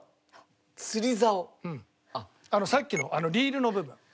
さっきのリールの部分。